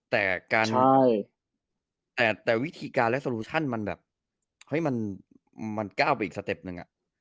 แต่การแต่วิธีการและโซลูชั่นมันแบบเฮ้ยมันก้าวไปอีกสเต็ปหนึ่ง